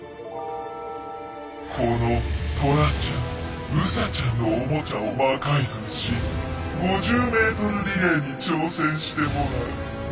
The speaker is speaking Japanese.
このトラちゃんウサちゃんのオモチャを魔改造し５０ｍリレーに挑戦してもらう。